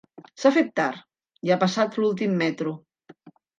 S'ha fet tard, ja ha passat l'últim metro.